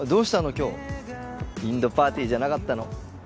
今日インドパーティーじゃなかったの？